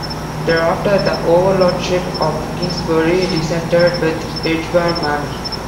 Thereafter the overlordship of Kingsbury descended with Edgware manor.